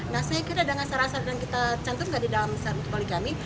nah saya kira dengan syarat syarat yang kita cantumkan di dalam syarat syarat poligami